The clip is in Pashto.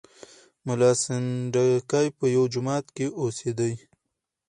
ملا سنډکی په یوه جومات کې اوسېدی.